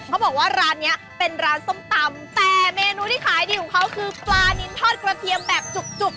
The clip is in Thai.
เขาบอกว่าร้านนี้เป็นร้านส้มตำแต่เมนูที่ขายดีของเขาคือปลานินทอดกระเทียมแบบจุก